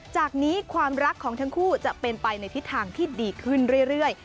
จากนี้ความรักของทั้งคู่จะเป็นไปในทิศทางที่ดีขึ้นเรื่อย